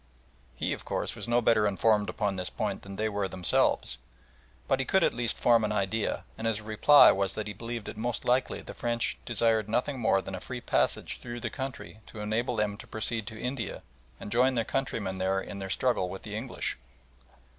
He, of course, was no better informed upon this point than they were themselves, but he could at least form an idea, and his reply was that he believed it most likely the French desired nothing more than a free passage through the country to enable them to proceed to India to join their countrymen there in their struggle with the English.